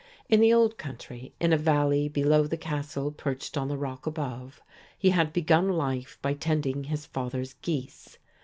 In the old country, in a valley below the castle perched on the rack above, he had begun life by tending his father's geese.